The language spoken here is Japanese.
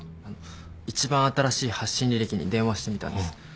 あの一番新しい発信履歴に電話してみたんです。